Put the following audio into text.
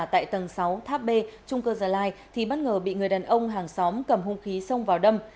tại tầng sáu tháp b trung cư gia lai thì bất ngờ bị người đàn ông hàng xóm cầm hung khí xông vào đâm